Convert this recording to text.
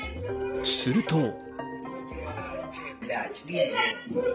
すると。